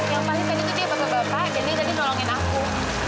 yang paling penuh itu dia bakal bapak jadi tadi nolongin aku